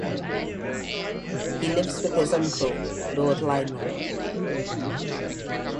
He lives with his uncle, Lord Lionel.